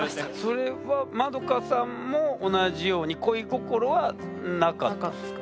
それは円さんも同じように恋心はなかったんですか？